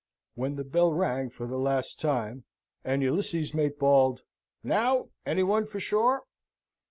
When the bell rang for the last time, and Ulysses's mate bawled, "Now! any one for shore!"